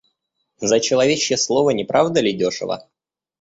За человечье слово — не правда ли, дешево?